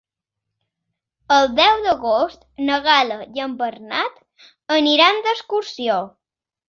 El deu d'agost na Gal·la i en Bernat aniran d'excursió.